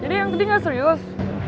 jadi yang penting gak serius